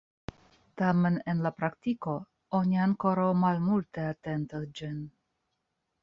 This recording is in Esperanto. Tamen en la praktiko oni ankoraŭ malmulte atentas ĝin.